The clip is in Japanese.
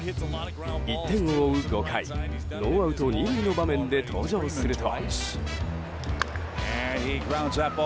１点を追う５回ノーアウト２塁の場面で登場すると。